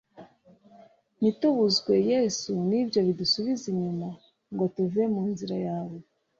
Ntitubuzwe yesu nibyo bidusubiza inyuma ngo tuve munzira yawe